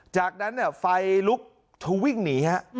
จากนั้นไฟลุกทุกวิ่งหนี